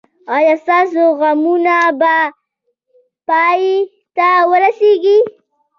ایا ستاسو غمونه به پای ته ورسیږي؟